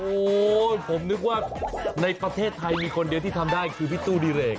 โอ้โหผมนึกว่าในประเทศไทยมีคนเดียวที่ทำได้คือพี่ตู้ดิเรก